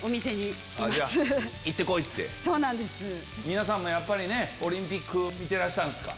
皆さんもやっぱりオリンピック見てたんですか？